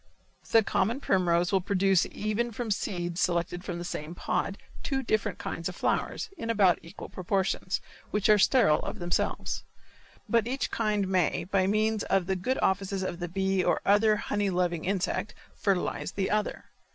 The common primrose will produce even from seeds selected from the same pod, two different kinds of flowers, in about equal proportions, which are sterile of themselves. But each kind may, by means of the good offices of the bee or other honey loving insect, fertilize the other.